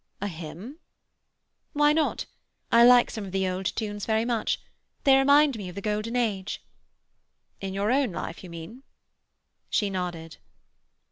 "A hymn?" "Why not? I like some of the old tunes very much. They remind me of the golden age." "In your own life, you mean?" She nodded.